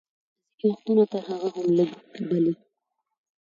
ځینې وختونه تر هغه هم لږ، بلې.